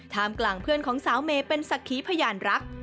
มกลางเพื่อนของสาวเมย์เป็นสักขีพยานรัก